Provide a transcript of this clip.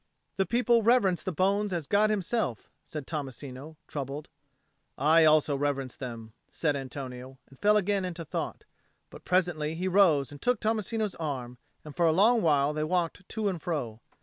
"The people reverence the bones as God Himself," said Tommasino, troubled. "I also reverence them," said Antonio, and fell again into thought. But presently he rose and took Tommasino's arm, and for a long while they walked to and fro.